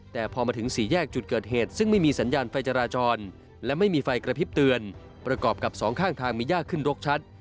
แต่พอมาถึงสี่แยกจุดเกิดเหตุซึ่งไม่มีสัญญาณไฟจราจรและไม่มีไฟกระพริบเตือนประกอบกับสองข้างทางมียากขึ้นรกชัด